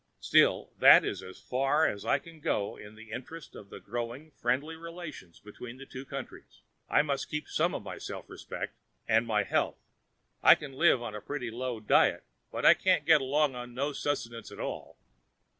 Still, that is as far as I can go in the interest of the growing friendly relations between the two countries; I must keep some of my self respect—and my health. I can live on a pretty low diet, but I can't get along on no sustenance at all.